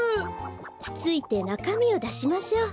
つついてなかみをだしましょう。